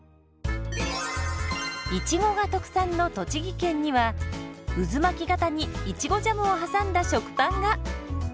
いちごが特産の栃木県には渦巻き型にいちごジャムを挟んだ食パンが！